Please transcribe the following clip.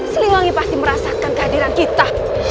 siliwangi pasti merasakan kehadiran kita